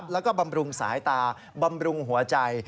แล้วก็บำรุงสายตาบำรุงหัวใจ